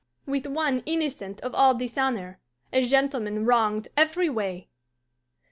"With one innocent of all dishonour, a gentleman wronged every way.